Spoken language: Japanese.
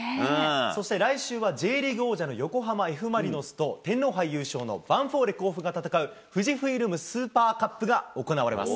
そして来週は、Ｊリーグ王者の横浜Ｆ・マリノスと天皇杯優勝のヴァンフォーレ甲府が戦うフジフイルムスーパーカップが行われます。